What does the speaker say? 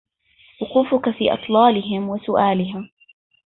وقوفك في أطلالهم وسؤالها